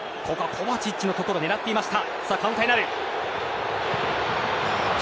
コヴァチッチのところを狙っていました。